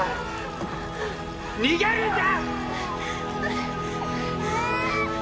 逃げるんだ！